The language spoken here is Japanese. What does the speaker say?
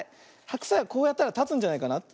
ハクサイはこうやったらたつんじゃないかな。